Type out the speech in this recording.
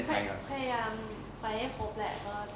พยายามไปให้ครบแหละ